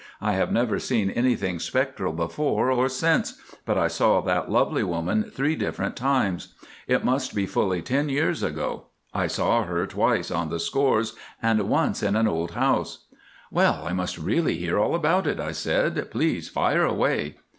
"I have never seen anything spectral before or since, but I saw that lovely woman three different times. It must be fully ten years ago. I saw her twice on the Scores and once in an old house." "Well, I must really hear all about it," I said. "Please fire away."